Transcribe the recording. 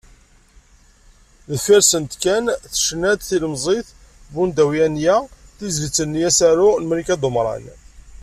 Deffir-sent kan tecna-d tlemẓit Bundawi Anya, tizlit-nni “Asaru” n Malika Dumran.